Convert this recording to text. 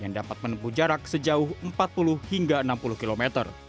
yang dapat menempuh jarak sejauh empat puluh hingga enam puluh km